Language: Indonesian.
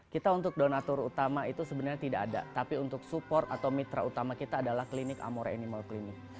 kita untuk donatur utama itu sebenarnya tidak ada tapi untuk support atau mitra utama kita adalah klinik amore animal clinik